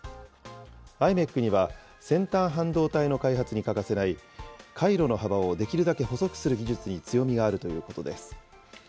ｉｍｅｃには、先端半導体の開発に欠かせない、回路の幅をできるだけ細くする技術に強みがあるということです。